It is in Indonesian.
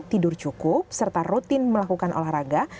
tidur cukup serta rutin melakukan olahraga